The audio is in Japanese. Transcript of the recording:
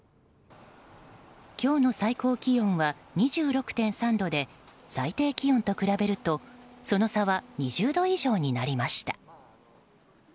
今日の最高気温は２６．３度で最低気温と比べるとその差は２０度以上になりました。